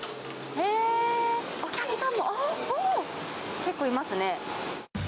へー、お客さんも、おー、結構いますね。